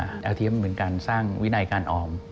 แบบที่มันเป็นการสร้างวินัยการอ